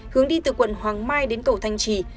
hướng đi từ quận hoàng mai đến cầu thanh trì